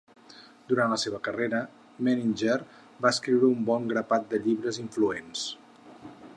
Durant la seva carrera, Menninger va escriure un bon grapat de llibres influents.